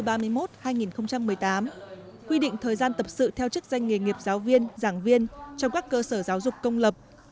đào tạo đã bàn hành thông tư ba mươi một hai nghìn một mươi tám quy định thời gian tập sự theo chức danh nghề nghiệp giáo viên giảng viên trong các cơ sở giáo dục công lập